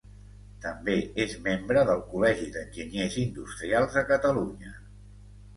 També és membre del Col·legi d'Enginyers Industrials de Catalunya.